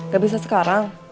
gak bisa sekarang